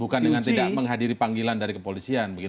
bukan dengan tidak menghadiri panggilan dari kepolisian